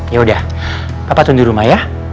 yaudah papa tunduk rumah ya